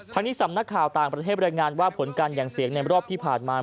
ทั้งนี้สำนักข่าวต่างประเทศรายงานว่าผลการอย่างเสียงในรอบที่ผ่านมา